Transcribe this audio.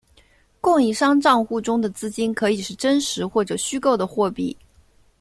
供应商帐户中的资金可以是真实或者虚构的货币。